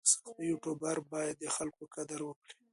یوټوبر باید د خلکو قدر وکړي.